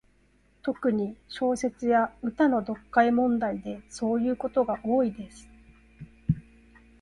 特に、小説や詩の読解問題でそういうことが多いです。